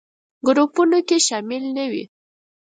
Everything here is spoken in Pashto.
ګروپونو کې شامل نه وي.